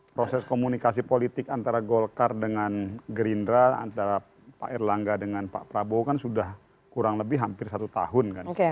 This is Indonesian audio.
proses komunikasi politik antara golkar dengan gerindra antara pak erlangga dengan pak prabowo kan sudah kurang lebih hampir satu tahun kan